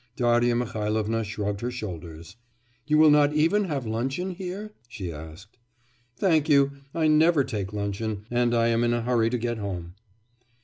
Darya Mihailovna shrugged her shoulders. 'You will not even have luncheon here?' she asked. 'Thank you; I never take luncheon, and I am in a hurry to get home.